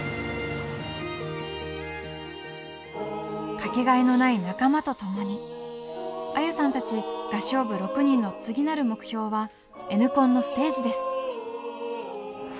かけがえのない仲間とともに愛友さんたち合唱部６人の次なる目標はＮコンのステージです！